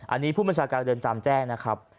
อันนี้ผู้บัญชาการเรือนจำแจ้งนะครับ